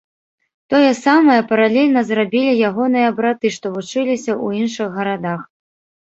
Тое самае, паралельна, зрабілі ягоныя браты, што вучыліся ў іншых гарадах.